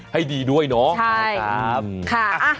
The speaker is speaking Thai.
ให้ดีด้วยเนาะ